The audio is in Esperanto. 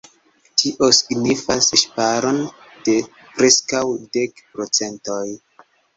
Tio signifas ŝparon de preskaŭ dek procentoj.